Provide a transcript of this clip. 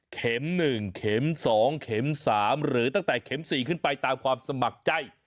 ๑เข็ม๒เข็ม๓หรือตั้งแต่เข็ม๔ขึ้นไปตามความสมัครใจ